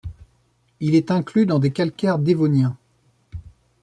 Il est inclus dans des calcaires dévoniens.